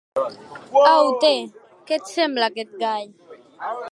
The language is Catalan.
Au té, què et sembla aquest gall?